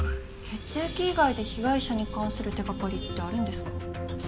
血液以外で被害者に関する手がかりってあるんですか？